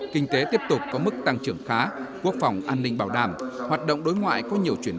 kinh tế tiếp tục có mức tăng trưởng khá quốc phòng an ninh bảo đảm hoạt động đối ngoại có nhiều chuyển biến